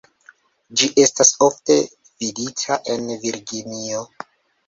Ĝi estas ofte vidita en Virginio.